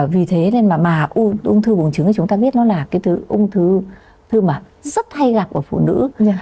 vì thế nên mà ung thư buồng trứng chúng ta biết là ung thư thư mạng rất hay gặp của phụ nữ